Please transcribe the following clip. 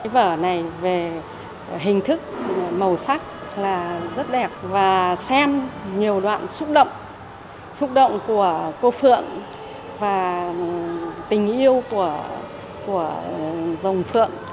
vở này về hình thức màu sắc là rất đẹp và xem nhiều đoạn xúc động xúc động của cô phượng và tình yêu của dòng phượng